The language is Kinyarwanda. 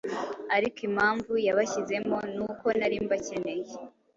Ariko impamvu yabashyizemo ni uko nari mbakeneye.